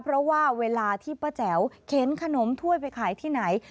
เพราะว่าเวลาที่ป้าแจ๋วเข็นขนมถ้วยไปขายที่ไหน